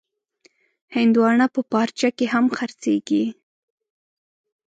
هندوانه په پارچه کې هم خرڅېږي.